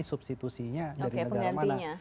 substitusinya dari negara mana